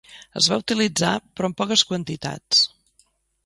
Es va utilitzar però en poques quantitats.